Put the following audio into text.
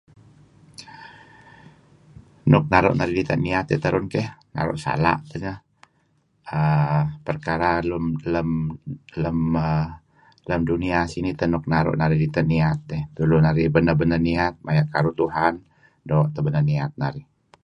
Nuk naru' narih dita' niyat dih terun keh naru' sala' tideh err perkara lem lem err lem dunia sinih teh nuk naru' narih dita' niyat dih. Tulu narih beneh-beneh niyat maya' karuh Tuhan doo' teh beneh niyat narih.